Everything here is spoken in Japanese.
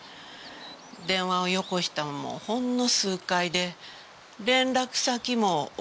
電話をよこしたのもほんの数回で連絡先も教えてくれへんし。